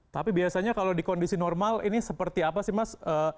tapi biasanya kalau di kondisi normal ini seperti apa sih mas